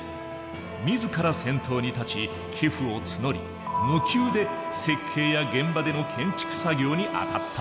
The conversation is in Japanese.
自ら先頭に立ち寄付を募り無給で設計や現場での建築作業に当たった。